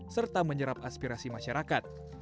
serta menyerap aspirasi masyarakat